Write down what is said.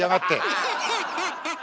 アハハハッ！